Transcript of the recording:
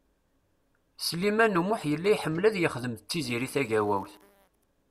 Sliman U Muḥ yella iḥemmel ad yexdem d Tiziri Tagawawt.